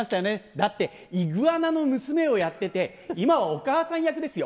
だって、イグアナの娘をやってて、今はお母さん役ですよ。